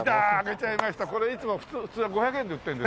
これいつも普通は５００円で売ってるんですよ。